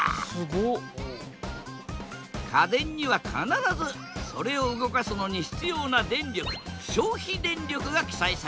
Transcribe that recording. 家電には必ずそれを動かすのに必要な電力消費電力が記載されている。